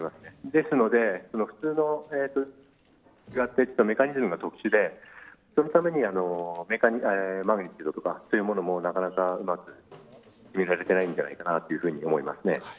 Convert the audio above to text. ですので普通のものとは違ってメカニズムが特殊でそのため、マグニチュードとかそういうものもなかなかうまく測定されていないんじゃないかと思います。